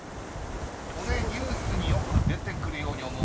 ［これニュースによく出てくるように思うんですが］